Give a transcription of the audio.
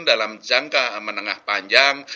dalam jangka menengah panjang